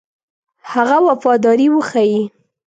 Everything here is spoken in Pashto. هغه وفاداري وښيي.